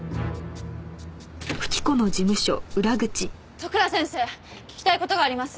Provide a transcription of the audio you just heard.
利倉先生聞きたい事があります。